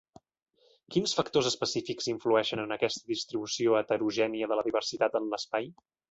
Quins factors específics influeixen en aquesta distribució heterogènia de la diversitat en l’espai?